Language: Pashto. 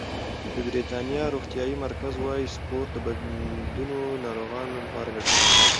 د بریتانیا روغتیايي مرکز وايي سپورت د بندونو ناروغانو لپاره ګټور دی.